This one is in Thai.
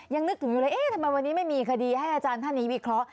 ยังนึกถึงอยู่เลยเอ๊ะทำไมวันนี้ไม่มีคดีให้อาจารย์ท่านนี้วิเคราะห